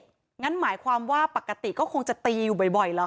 งั้นหมายความว่าปกติก็คงจะตีอยู่บ่อยเหรอค